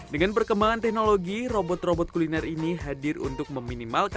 dengan perkembangan teknologi robot robot kuliner ini hadir untuk meminimalkan